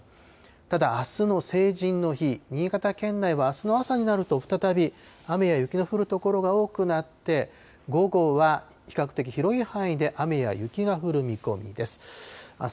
ただ、あすの成人の日、新潟県内はあすの朝になると、再び雨や雪の降る所が多くなって、午後は比較的広い範囲で雨や雪が降る見込みです。